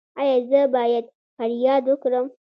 ایا زه باید فریاد وکړم؟